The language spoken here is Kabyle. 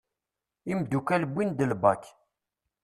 Imddukal wwin-d l BAK.